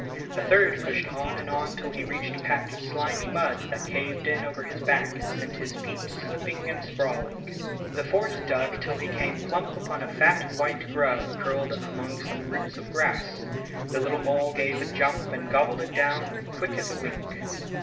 A third pushed on and on till he reached a patch of slimy mud that caved in over his back and sent his feet slipping and sprawling. The fourth dug till he came plump upon a fat white grub curled among some roots of grass. The little mole gave a jump and gobbled it down quick as a wink.